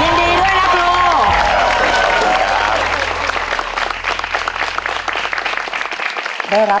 ขอบคุณครับ